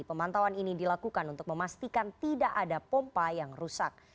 pemantauan ini dilakukan untuk memastikan tidak ada pompa yang rusak